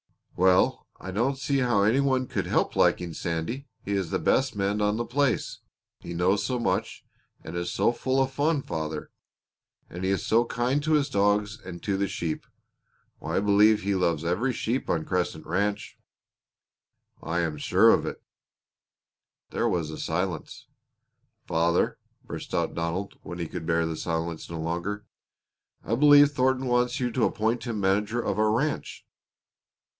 "Well, I don't see how any one could help liking Sandy! He is the best man on the place. He knows so much, and is so full of fun, father! And he is so kind to his dogs and to the sheep! Why, I believe he loves every sheep on Crescent Ranch." "I am sure of it." There was a silence. "Father," burst out Donald when he could bear the silence no longer, "I believe Thornton wants you to appoint him manager of our ranch."